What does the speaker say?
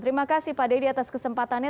terima kasih pak dedy atas kesempatannya